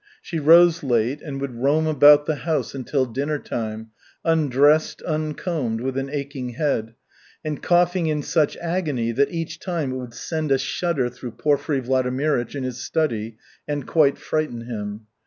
She rose late and would roam about the house until dinner time, undressed, uncombed, with an aching head, and coughing in such agony that each time it would send a shudder through Porfiry Vladimirych in his study and quite frighten him.